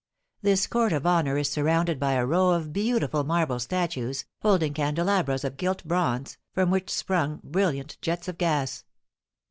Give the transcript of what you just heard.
This court of honour is surrounded by a row of beautiful marble statues, holding candelabras of gilt bronze, from which sprung brilliant jets of gas.